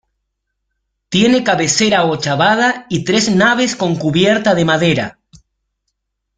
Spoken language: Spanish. Tiene cabecera ochavada y tres naves con cubierta de madera.